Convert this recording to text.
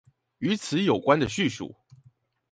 與此有關的敘述